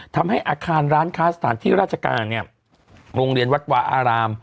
ทำให้อาคารร้านคาสตาร์ที่ราชกาลโรงเรียนวัดวาอาราม